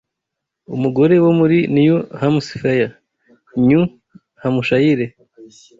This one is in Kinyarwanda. Umugore wo muri New Hampshire [Nyu Hamushayire]